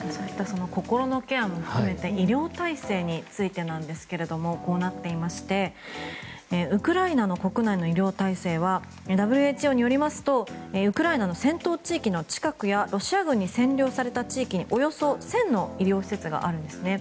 心のケアも含めて医療体制についてなんですけれどウクライナの国内の医療体制はＷＨＯによりますとウクライナの戦闘地域の近くやロシア軍に占拠された地域におよそ１０００の医療施設があるんですね。